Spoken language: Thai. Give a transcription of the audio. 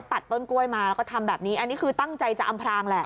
ตัดต้นกล้วยมาแล้วก็ทำแบบนี้อันนี้คือตั้งใจจะอำพรางแหละ